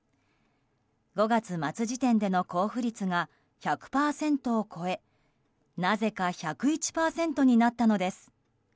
５月末時点での交付率が１００％を超えなぜか１０１％になったのです。